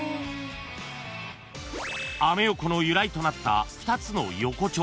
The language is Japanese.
［アメ横の由来となった２つの横丁］